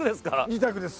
２択です。